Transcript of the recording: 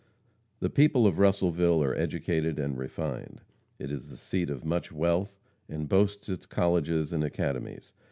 The people of Russellville are educated and refined. It is the seat of much wealth and boasts its colleges and academies.